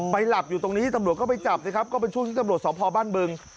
หลับอยู่ตรงนี้ตำรวจก็ไปจับสิครับก็เป็นช่วงที่ตำรวจสอบพอบ้านบึง